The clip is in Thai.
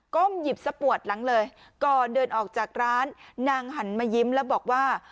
หยิบซะปวดหลังเลยก่อนเดินออกจากร้านนางหันมายิ้มแล้วบอกว่า